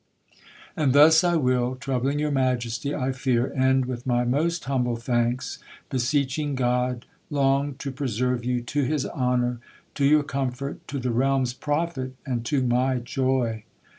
And thus I wil (troblinge your Maiestie I fere) end with my most humble thankes, beseching God long to preserue you to his honour, to your c[=o]fort, to the realmes profit, and to my joy.